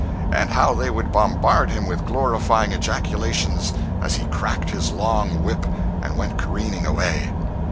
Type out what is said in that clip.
And how they would bombard him with glorifying ejaculations as he cracked his long whip and went careering away.